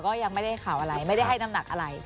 ก็ยังไม่ได้ข่าวอะไรไม่ได้ให้น้ำหนักอะไร